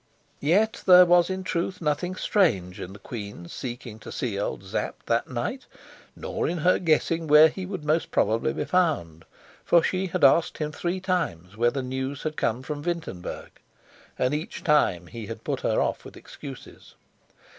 Yet there was in truth nothing strange in the queen seeking to see old Sapt that night, nor in her guessing where he would most probably be found. For she had asked him three times whether news had come from Wintenberg and each time he had put her off with excuses.